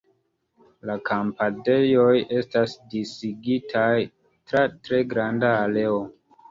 La kampadejoj estas disigitaj tra tre granda areo.